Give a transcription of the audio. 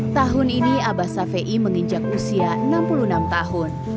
tahun ini abah safei menginjak usia enam puluh enam tahun